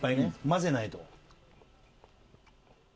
まぜないと。